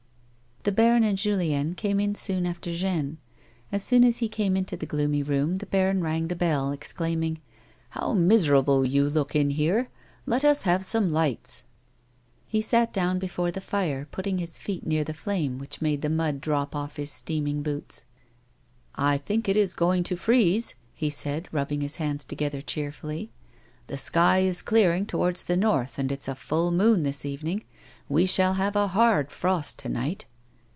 The baron and Julien came in soon after Jeanne. As soon as he came into the gloomy room the baron rang the bell, exclaiming :" How miserable you look in here ! Let us have some lights." A WOMAN'S LIFE. 79 He sat down before the fire, putting his feet near the flame which made the mnd drop off his steaming boots. " I think it is going to freeze," he said, rubbing his hands together cheerfully. "The sky is clearing towards the north, and it's a full moon this evening. We shall have a hard frost to night."